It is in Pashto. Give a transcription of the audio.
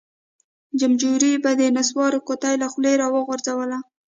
جمبوري به د نسوارو قطۍ له خولۍ راوغورځوله.